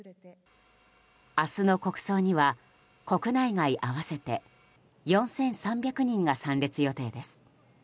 明日の国葬には、国内外合わせて４３００人が参列予定です。